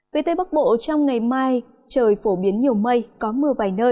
về tây bắc bộ trong ngày mai trời phổ biến nhiều mây có mưa vài nơi